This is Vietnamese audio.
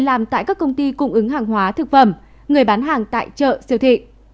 làm tại các công ty cung ứng hàng hóa thực phẩm người bán hàng tại chợ siêu thị